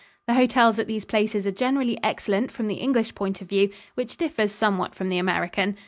The hotels at these places are generally excellent from the English point of view, which differs somewhat from the American.